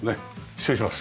失礼します。